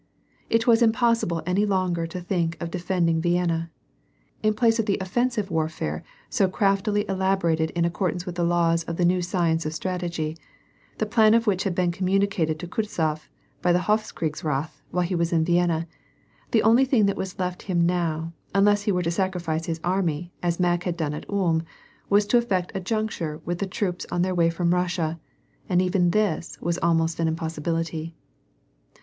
It was impossible any longer to think of defending Vienna. In place of the offensive warfare so craftily elaborated in ac cordance with the laws of the new science of strategy, the plan of which had been communicated to Kutuzof by the Hofkriegs rath while he was in Vienna, the only thing that was left him now, unless he were to sacrifice his army, as Mack had done at Ulm, was to effect a juncture with the troops on then way from Russia, and even this was almost an impossibility.